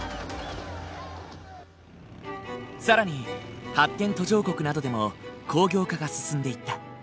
更に発展途上国などでも工業化が進んでいった。